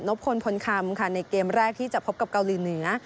พลพลคำค่ะในเกมแรกที่จะพบกับเกาหลีเหนือ